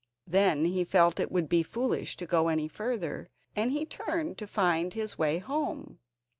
Then he felt it would be foolish to go any further, and he turned to find his way home.